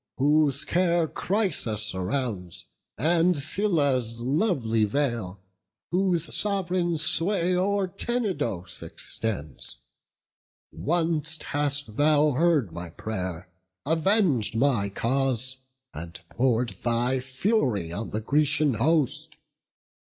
whose care Chrysa surrounds, and Cilla's lovely vale, Whose sov'reign sway o'er Tenedos extends! Once hast thou heard my pray'r, aveng'd my cause, And pour'd thy fury on the Grecian host.